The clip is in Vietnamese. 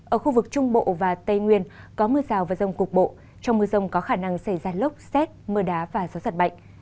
ở khu vực trung bộ và tây nguyên có mưa rào và rông cục bộ trong mưa rông có khả năng xảy ra lốc xét mưa đá và gió giật mạnh